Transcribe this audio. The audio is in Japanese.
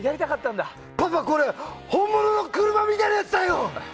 パパこれ本物の車みたいなやつだよ！